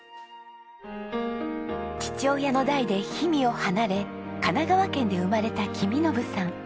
父親の代で氷見を離れ神奈川県で生まれた公伸さん。